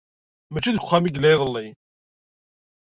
Maci deg uxxam ay yella iḍelli.